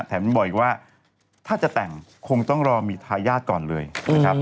บอกอีกว่าถ้าจะแต่งคงต้องรอมีทายาทก่อนเลยนะครับ